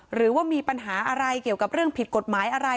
หรือว่ามีปัญหาอะไรเกี่ยวกับเรื่องผิดกฎหมายอะไร